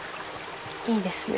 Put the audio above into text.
いいですね